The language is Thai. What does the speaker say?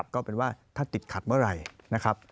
ก็เป็นว่าถ้าติดขัดเมื่อไหร่นะครับ